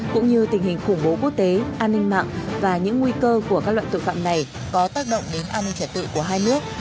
khủng bố quốc tế an ninh mạng và những nguy cơ của các loại tội phạm này có tác động đến an ninh trật tự của hai nước